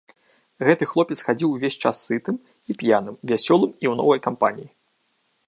Гэты хлопец хадзіў увесь час сытым і п'яным, вясёлым і ў новай кампаніі.